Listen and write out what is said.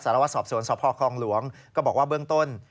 วัดสอบสวนสพคลองหลวงก็บอกว่าเบื้องต้น